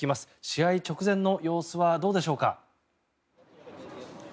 試合直前の様子はどうでしょうか。